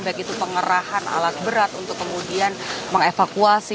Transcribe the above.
baik itu pengerahan alat berat untuk kemudian mengevakuasi